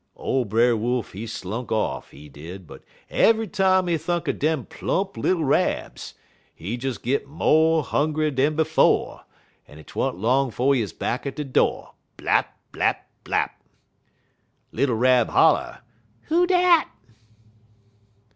"Ole Brer Wolf he slunk off, he did, but eve'y time he thunk er dem plump little Rabs, he des git mo' hongry dan befo', en 't wa'n't long 'fo' he 'uz back at de do' blap, blap, blap! "Little Rab holler: 'Who dat?'